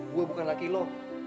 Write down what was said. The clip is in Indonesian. gua bukan laki lo